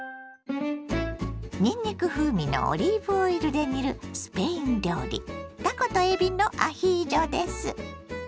にんにく風味のオリーブオイルで煮るスペイン料理たことえびのアヒージョです。